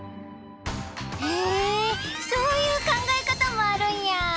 へえそういうかんがえかたもあるんや。